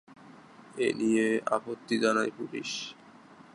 এ নিয়ে আপত্তি জানায় পুলিশ।